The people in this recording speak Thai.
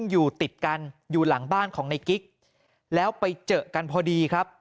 อยู่ติดกันอยู่หลังบ้านของในกิ๊กแล้วไปเจอกันพอดีครับ